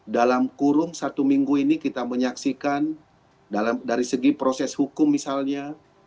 dalam kurung satu minggu ini kita menyaksikan dari segi proses hukum misalnya